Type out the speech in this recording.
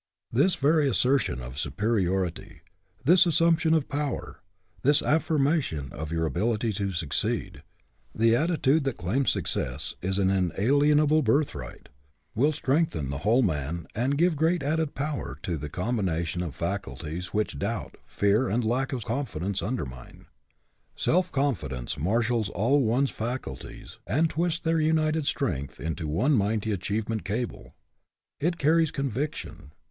This very assertion of superiority; this assumption of power; this affirmation of your ability to succeed, the attitude that claims success as an inalienable birthright, will strengthen the whole man and give great added power to the combina tion of faculties which doubt, fear and lack of confidence undermine. Self confidence marshals all one's faculties and twists their united strength into one mighty achievement cable. It carries con viction.